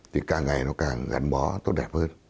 thì càng ngày nó càng gắn bó tốt đẹp hơn